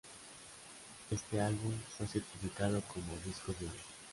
Este álbum fue certificado como "disco de oro".